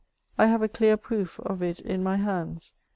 I have a clear proof of it in my hands.